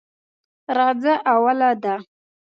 راځه اوله ده.